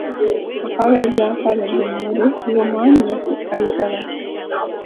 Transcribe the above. Akabezo akabega emmere y'omwami kayitibwa katya?